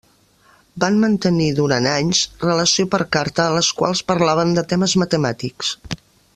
Van mantenir, durant anys, relació per carta en les quals parlaven de temes matemàtics.